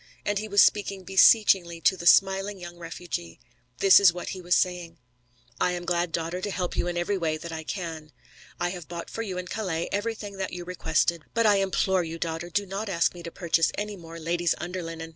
And he was speaking beseechingly to the smiling young refugee. This is what he was saying: "I am glad, daughter, to help you in every way that I can. I have bought for you in Calais everything that you requested. But I implore you, daughter, do not ask me to purchase any more ladies' underlinen.